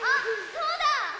そうだ！